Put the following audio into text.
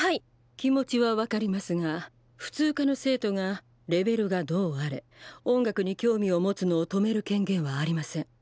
気持ちは分かりますが普通科の生徒がレベルがどうあれ音楽に興味を持つのを止める権限はありません。